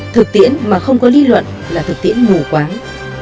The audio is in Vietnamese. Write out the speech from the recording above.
thực tiễn mà không có lý luận là thực tiễn mù quáng